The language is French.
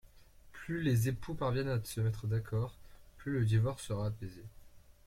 Plus les époux parviennent à se mettre d’accord, plus le divorce sera apaisé.